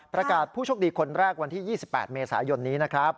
ผู้โชคดีคนแรกวันที่๒๘เมษายนนี้นะครับ